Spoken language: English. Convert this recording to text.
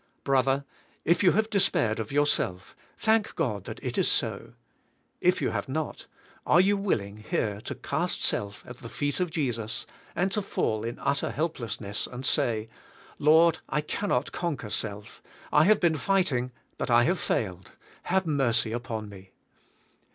Brother, if you have despaired of yourself, thank God that it is so! If you have not, are you willing here to cast self at the feet of Jesus, and to fall in utter helplessness and say, "Lord, I cannot conquer self; I have been fig hting but I have failed; have mercy upon me!